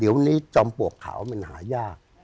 เดี๋ยวนี้จอมปลวกขาวมันหายาก